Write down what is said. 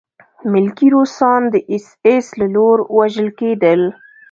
ملکي روسان د اېس ایس له لوري وژل کېدل